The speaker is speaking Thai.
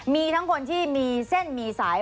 มีทั้งคนที่มีเส้นมีสาย